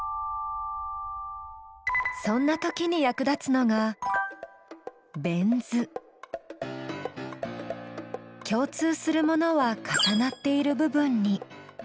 そんなときに役立つのが共通するものは重なっている部分に。